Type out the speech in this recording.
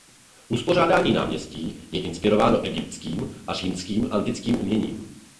Uspořádání náměstí je inspirováno egyptským a římským antickým uměním.